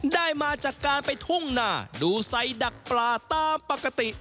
ได้มาจากการไปทุ่งนาดูไซดักปลาตามปกติ